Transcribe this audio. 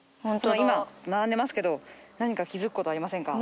今並んでますけど何か気付くことはありませんか？